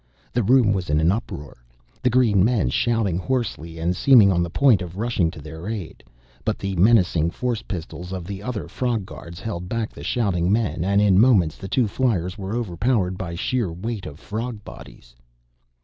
The room was in an uproar, the green men shouting hoarsely and seeming on the point of rushing to their aid. But the menacing force pistols of the other frog guards held back the shouting men and in moments the two fliers were overpowered by sheer weight of frog bodies.